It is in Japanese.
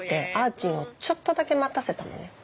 ちんをちょっとだけ待たせたのね。